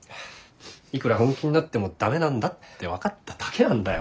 いくら本気になっても駄目なんだって分かっただけなんだよ。